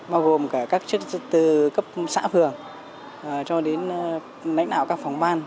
bao gồm các chức tư cấp xã phường cho đến lãnh đạo các phòng ban